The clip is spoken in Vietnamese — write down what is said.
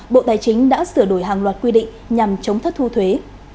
bộ tài chính đã sửa đổi hàng loạt quy định nhằm chống thất thu thuế